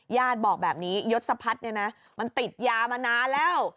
ญาติบอกแบบนี้ยศพัฒน์เนี่ยนะมันติดยามานานแล้ว